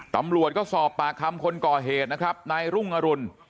ตำรวจก็สอบปากคำคนก่อเหตุนะครับนายรุ่งอรุณ